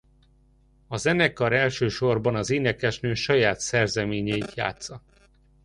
A zenekar elsősorban az énekesnő saját szerzeményeit játssza.